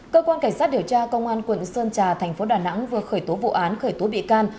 cơ quan cảnh sát điều tra công an quận sơn trà thành phố đà nẵng vừa khởi tố vụ án khởi tố bị can